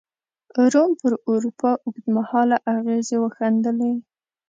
روم پر اروپا اوږد مهاله اغېزې وښندلې.